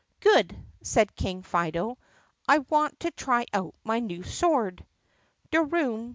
"Good," said King Fido, "I want to try out my new sword." De room!